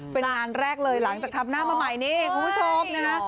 เป็นงานแรกเลยหลังจากทำหน้ามาใหม่นี่คุณผู้ชมนะคะ